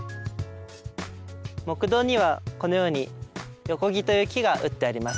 木道にはこのように横木という木が打ってあります。